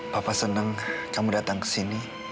papa seneng kamu datang kesini